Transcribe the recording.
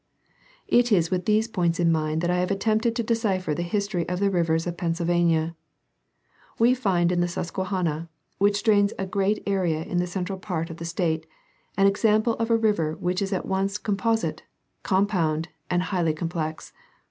It is with these points in mind that I have attempted to decipher the history of the rivers of Pennsylvania. We find in the Sus quehanna, which drains a great area in the central part of the state, an example of a river which is at once composite, com pound and highly complex.